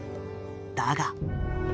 だが。